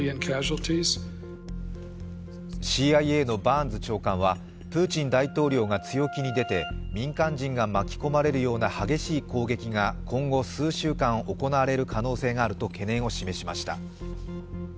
ＣＩＡのバーンズ長官はプーチン大統領が強気に出て民間人が巻き込まれるような激しい攻撃が今後、数週間行われる可能性があると懸念を示しました。